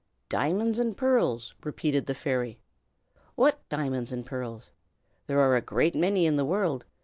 "Diamonds and pearls?" repeated the fairy, "what diamonds and pearls? There are a great many in the world.